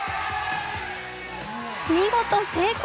見事成功。